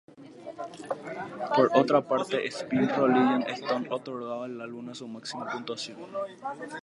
Por otra parte, "Spin" y "Rolling Stone" otorgaron al álbum su máxima puntuación.